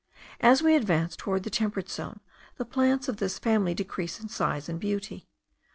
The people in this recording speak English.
As we advance toward the temperate zone, the plants of this family decrease in size and beauty.